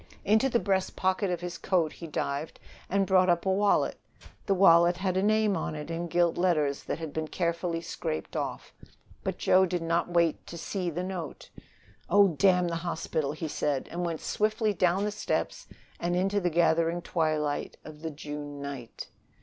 Into the breast pocket of his coat he dived and brought up a wallet. The wallet had had a name on it in gilt letters that had been carefully scraped off. But Joe did not wait to see the note. "Oh, damn the hospital!" he said and went swiftly down the steps and into the gathering twilight of the June night.